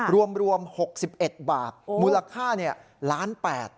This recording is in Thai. รวมรวมหกสิบเอ็ดบาทโอ้มูลค่าเนี่ยล้านแปด